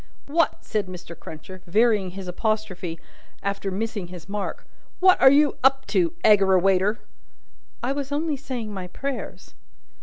"What," said Mr. Cruncher, varying his apostrophe after missing his mark "what are you up to, Aggerawayter?" "I was only saying my prayers."